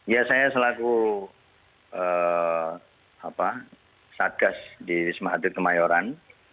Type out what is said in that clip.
ya saya selaku satgas di wisma atlet kemayoran